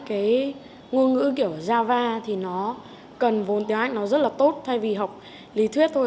cái ngôn ngữ kiểu java thì nó cần vốn tiếng anh nó rất là tốt thay vì học lý thuyết thôi